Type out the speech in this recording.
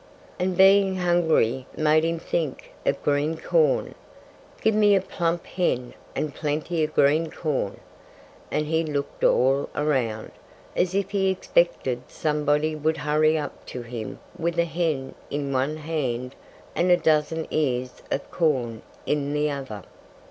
And being hungry made him think of green corn. "Give me a plump hen and plenty of green corn!" And he looked all around, as if he expected somebody would hurry up to him with a hen in one hand and a dozen ears of corn in the other.